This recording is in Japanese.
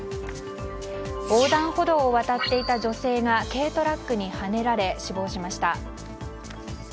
横断歩道を渡っていた女性が軽トラックにはねられ死亡しました。